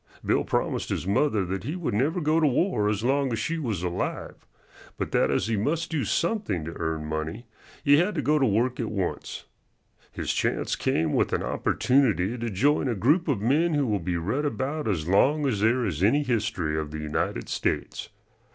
Bill promised his mother that he would never go to war as long as she was alive, but that as he must do something to earn money, he had to go to work at once. His chance came with an opportunity to join a group of men who will be read about as long as there is any history of the United States.